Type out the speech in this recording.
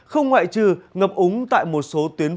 không ngoại trừ ngập úng tại một số tuyến